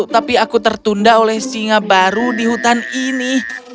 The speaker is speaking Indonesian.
tapi aku tertunda oleh singa baru di hutan ini